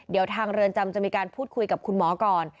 เดี๋ยวทางเรือนจำจะมีการพูดคุยกับคุณหมอก่อน